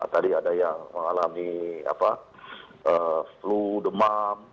tadi ada yang mengalami flu demam